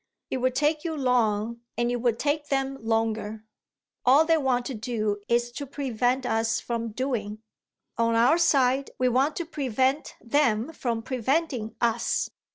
"It would take you long, and it would take them longer! All they want to do is to prevent us from doing. On our side we want to prevent them from preventing us.